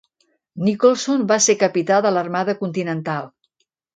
Nicholson va ser capità de l'Armada Continental.